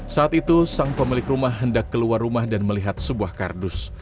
saat itu sang pemilik rumah hendak keluar rumah dan melihat sebuah kardus